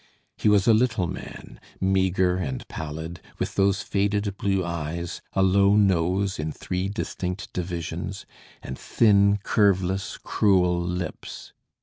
He was a little man, meagre and pallid, with those faded blue eyes, a low nose in three distinct divisions, and thin, curveless, cruel lips.